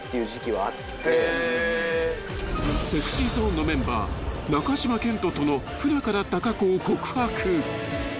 ［ＳｅｘｙＺｏｎｅのメンバー中島健人との不仲だった過去を告白］